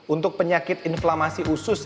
untuk penyakit inflamasi usus